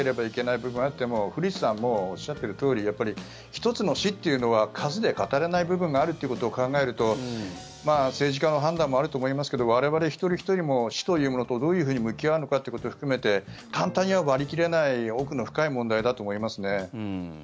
部分あっても古市さんもおっしゃってるとおり１つの死というのは数で語れない部分があるということを考えると政治家の判断もあると思いますが我々一人ひとりも死というものとどういうふうに向き合うのかということを含めて簡単には割り切れない奥の深い問題だと思いますね。